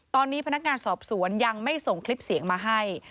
ตอนนี้พนักงานสอบสวนยังไม่ส่งคลิปเสียงมาให้